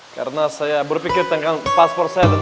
karena saya berpikir tentang paspor saya di dompet